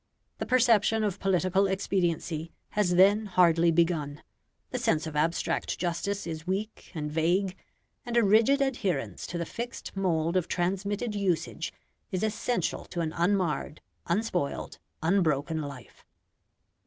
The perception of political expediency has then hardly begun; the sense of abstract justice is weak and vague; and a rigid adherence to the fixed mould of transmitted usage is essential to an unmarred, unspoiled, unbroken life.